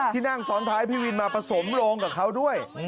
ที่นั่งซ้อนท้ายพี่วินมาประสงค์โรงกับเขาด้วย